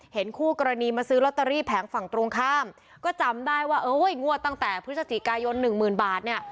คู่กรณีมาซื้อลอตเตอรี่แผงฝั่งตรงข้ามก็จำได้ว่าเอองวดตั้งแต่พฤศจิกายนหนึ่งหมื่นบาทเนี่ย